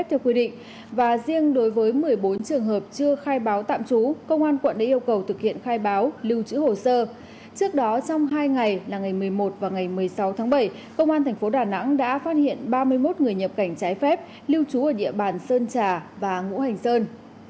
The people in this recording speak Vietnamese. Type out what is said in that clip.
với một mươi bốn trường hợp chưa khai báo tạm trú công an quận đã yêu cầu thực hiện khai báo lưu trữ hồ sơ trước đó trong hai ngày là ngày một mươi một và ngày một mươi sáu tháng bảy công an thành phố đà nẵng đã phát hiện ba mươi một người nhập cảnh trái phép lưu trú ở địa bàn sơn trà và ngũ hành sơn